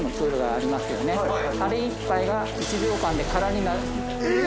あれ１杯が１秒間で空になるええー